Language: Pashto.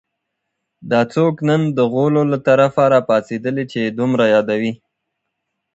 دا څوک نن د غولو له طرفه راپاڅېدلي چې یې دومره یادوي